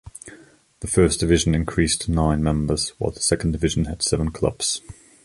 The First Division increased to nine members while the Second Division had seven clubs.